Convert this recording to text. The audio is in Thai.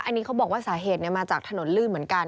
อันนี้เขาบอกว่าสาเหตุมาจากถนนลื่นเหมือนกัน